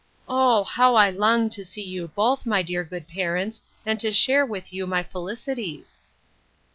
Oh! how I long to see you both, my dear good parents, and to share with you my felicities!